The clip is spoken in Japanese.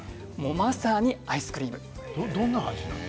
まさにアイスクリームです。